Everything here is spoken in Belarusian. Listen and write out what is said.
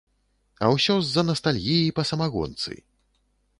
А ўсё з-за настальгіі па самагонцы!